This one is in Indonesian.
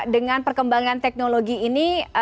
dengan perkembangan teknologi ini